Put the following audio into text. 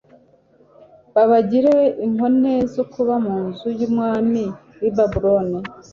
babagire inkone zo kuba mu nzu y'umwami w'i babuloni